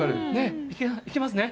いきますね。